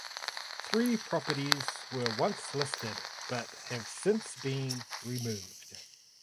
Three properties were once listed but have since been removed.